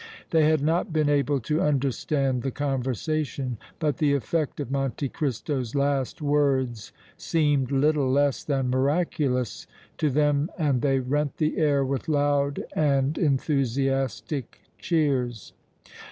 They had not been able to understand the conversation, but the effect of Monte Cristo's last words seemed little less than miraculous to them and they rent the air with loud and enthusiastic cheers.